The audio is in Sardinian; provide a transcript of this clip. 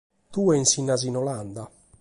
Tue insignas in Olanda.